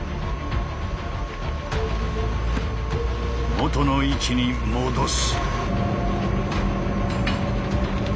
元の位置に戻す。